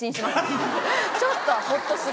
ちょっとはホッとする。